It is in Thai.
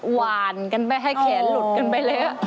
หวานกันไปให้แขนหลุดกันไปแล้ว